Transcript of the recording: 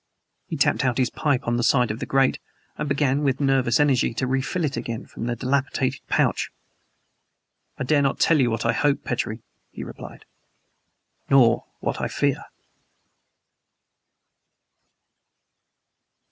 He tapped out his pipe on the side of the grate and began with nervous energy to refill it again from the dilapidated pouch. "I dare not tell you what I hope, Petrie," he replied "nor what I fear."